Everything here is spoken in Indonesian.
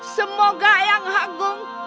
semoga ayah hagung